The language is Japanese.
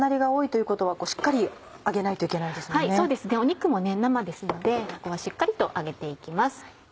肉も生ですのでここはしっかりと揚げて行きます。